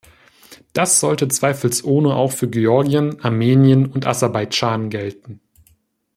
Das sollte zweifelsohne auch für Georgien, Armenien und Aserbaidschan gelten.